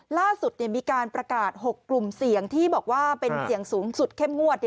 ล่าสุดมีการประกาศ๖กลุ่มเสี่ยงที่บอกว่าเป็นเสี่ยงสูงสุดเข้มงวด